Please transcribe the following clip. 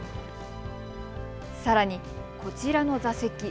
さらにこちらの座席。